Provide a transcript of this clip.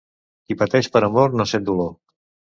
Qui pateix per amor no sent dolor.